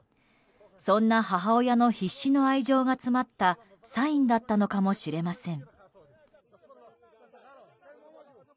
そんな母親の必死の愛情が詰まったサインだったのかもしれません。